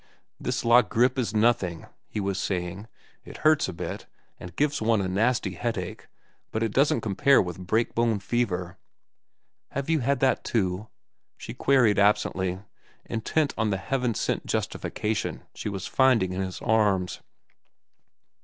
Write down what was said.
"This La Grippe is nothing," he was saying. "It hurts a bit, and gives one a nasty headache, but it doesn't compare with break bone fever." "Have you had that, too?" she queried absently, intent on the heaven sent justification she was finding in his arms.